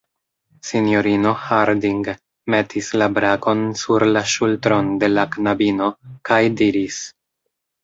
Sinjorino Harding metis la brakon sur la ŝultron de la knabino kaj diris: